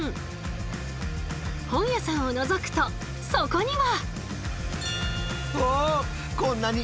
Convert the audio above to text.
本屋さんをのぞくとそこには。